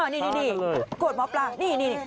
นี่กรวดม้อปลานี่